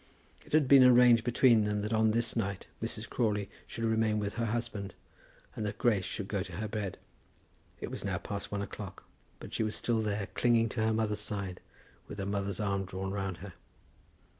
It had been arranged between them that on this night Mrs. Crawley should remain with her husband, and that Grace should go to her bed. It was now past one o'clock, but she was still there, clinging to her mother's side, with her mother's arm drawn round her.